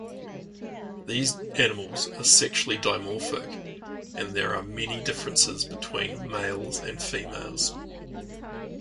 These animals are sexually dimorphic and there are many differences between males and females.